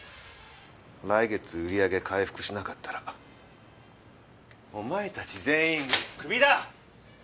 来月売り上げ回復しなかったらお前たち全員クビだ！